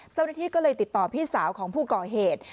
เจ้าหน้าที่ก็เลยติดต่อพี่สาวของผู้ก่อเหตุ